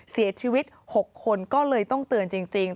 เสียชีวิต๖คนก็เลยต้องเตือนจริง